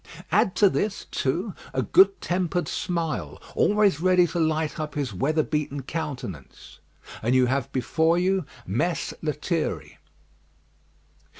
Add to this, too, a good tempered smile always ready to light up his weather beaten countenance, and you have before you Mess Lethierry.